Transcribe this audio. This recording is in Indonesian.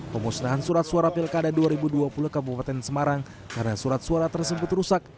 pemusnahan surat suara pilkada dua ribu dua puluh kabupaten semarang karena surat suara tersebut rusak